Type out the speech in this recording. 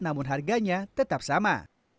namun harganya tetap sama